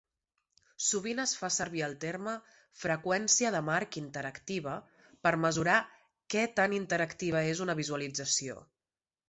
Sovint es fa servir el terme "freqüència de marc interactiva" per mesurar què tan interactiva és una visualització.